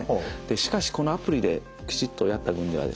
しかしこのアプリできちっとやった群ではですね